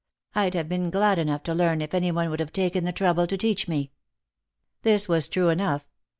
I'd have been glad enough to learn if any one would have taken the trouble to teach me." This was true enough.